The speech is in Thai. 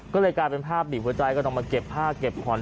ก็เลยกลายเป็นภาพบีบหัวใจก็ต้องมาเก็บผ้าเก็บผ่อน